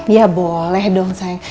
ya boleh dong sayang